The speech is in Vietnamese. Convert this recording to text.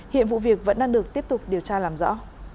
hiện vụ việc vẫn đang được tiếp tục điều tra làm rõ